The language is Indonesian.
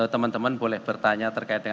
teman teman boleh berikan uang